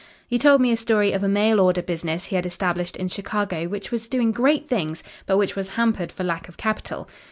He told me a story of a mail order business he had established in Chicago which was doing great things, but which was hampered for lack of capital.